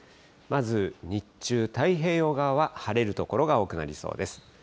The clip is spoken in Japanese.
まず日中、太平洋側は晴れる所が多くなりそうです。